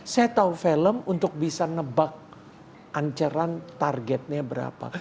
saya tahu film untuk bisa nebak ancaran targetnya berapa